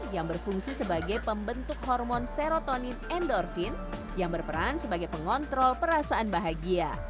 yang berfungsi sebagai pembentuk hormon serotonin endorfin yang berperan sebagai pengontrol perasaan bahagia